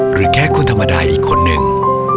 หรือแค่คนธรรมดาอีกคนหนึ่ง